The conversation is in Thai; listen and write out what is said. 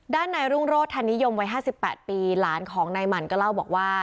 ด้านในรุ่งโรธนิยมวัย๕๘ปีหลานของนายหมั่นก็เล่าบอกว่า